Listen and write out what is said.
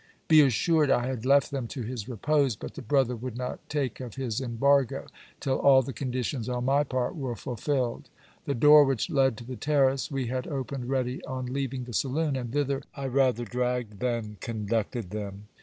Be assured I had left him to his repose, but the brother would not take of his embargo, till all the conditions on my part were fulfilled. The door which led to the terrace we had opened ready on leaving the saloon, and thither I rather dragged than conducted them.